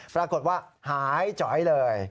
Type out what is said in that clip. ปรากฏว่าหายจ๋อยเลย